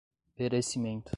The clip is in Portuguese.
perecimento